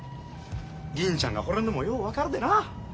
銀ちゃんがほれるのもよう分かるでな。